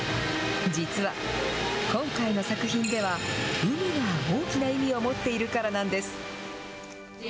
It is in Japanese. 実は、今回の作品では海が大きな意味を持っているからなんです。